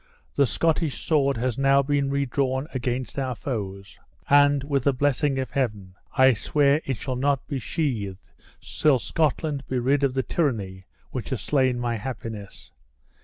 The Scottish sword has now been redrawn against our foes; and, with the blessing of Heaven, I swear it shall not be sheathed till Scotland be rid of the tyranny which has slain my happiness!